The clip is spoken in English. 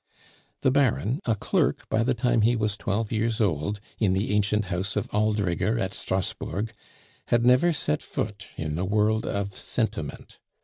The Baron, a clerk by the time he was twelve years old in the ancient house of Aldrigger at Strasbourg, had never set foot in the world of sentiment.